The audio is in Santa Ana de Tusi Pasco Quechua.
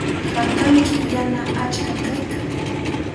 Hakantsik yana aqcham kaykan.